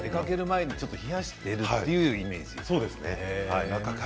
出かける前に冷やすというイメージですね。